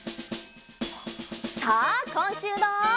さあこんしゅうの。